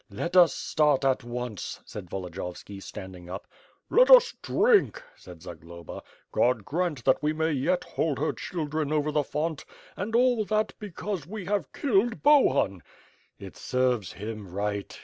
"Let us start at once," said Volodiyovski, standing up. "Let U8 drink," said Zagloba, "God grant that we may yet hold her children over the font; and all that because we have killed Bohun." "It serves him right!"